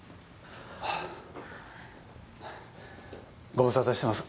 ご無沙汰してます